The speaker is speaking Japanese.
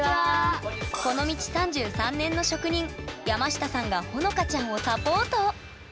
この道３３年の職人山下さんがほのかちゃんをサポート。